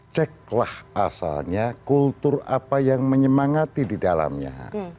ceklah asalnya kultur apa yang menyemangati di dalamnya